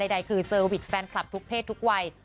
เจอวิทย์แฟนคลับทุกเพศทุกวัย